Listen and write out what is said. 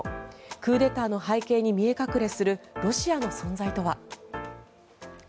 クーデターの背景に見え隠れするロシアの存在とは。